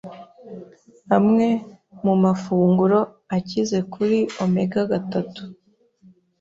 Amwe mu mafunguro akize kuri omega-gatatu